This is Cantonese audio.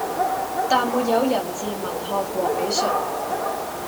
，但沒有人治文學和美術；